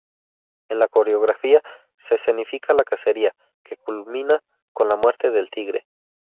En la coreografía se escenifica la cacería, que culmina con la muerte del tigre.